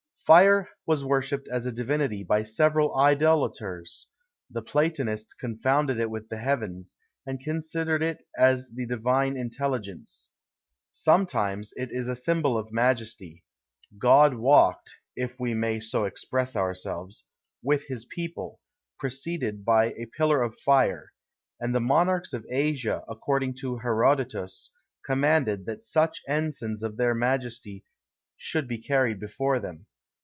Fire was worshipped as a divinity by several idolaters: the Platonists confounded it with the heavens, and considered it as the divine intelligence. Sometimes it is a symbol of majesty. God walked (if we may so express ourselves) with his people, preceded by a pillar of fire; and the monarchs of Asia, according to Herodotus, commanded that such ensigns of their majesty should be carried before them.